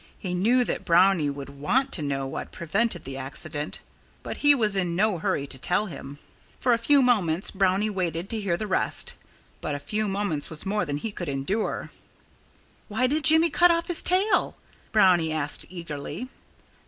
He knew that Brownie would want to know what prevented the accident. But he was in no hurry to tell him. For a few moments Brownie waited to hear the rest. But a few moments was more than he could endure. "Why didn't Jimmy cut off his tail?" Brownie asked eagerly.